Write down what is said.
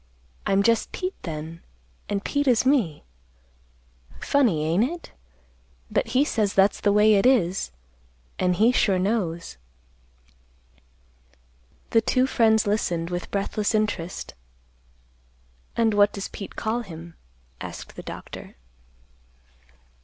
I'm just Pete then, an' Pete is me. Funny, ain't it? But he says that's the way it is, an' he sure knows." The two friends listened with breathless interest. "And what does Pete call him?" asked the doctor.